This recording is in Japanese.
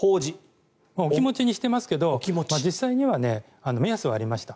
お気持ちにしてますけど実際には目安はありました。